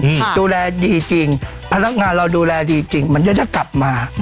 ดูแลดีจริงพนักงานเราดูแลดีจริงมันจะได้กลับมา